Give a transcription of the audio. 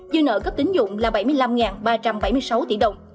dư nợ cấp tính dụng là bảy mươi năm ba trăm bảy mươi sáu tỷ đồng